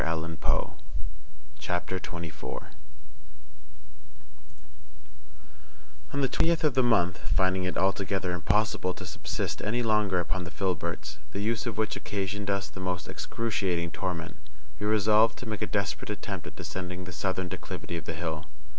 {image} CHAPTER 24 On the twentieth of the month, finding it altogether impossible to subsist any longer upon the filberts, the use of which occasioned us the most excruciating torment, we resolved to make a desperate attempt at descending the southern declivity of the hill.